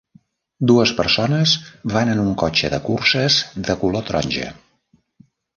Dues persones van en un cotxe de curses de color taronja.